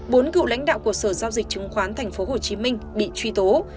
bốn cựu lãnh đạo của sở giao dịch chứng khoán tp hcm bị truy tố